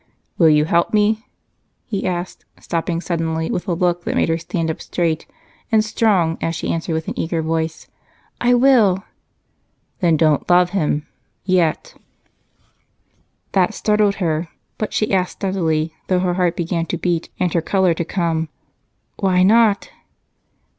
"Will you help?" he asked, stopping suddenly with a look that made her stand up straight and strong as she answered with an eager voice: "I will." "Then don't love him yet." That startled her, but she asked steadily, though her heart began to beat and her color to come: "Why not?"